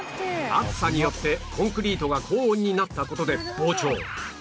暑さによってコンクリートが高温になった事で膨張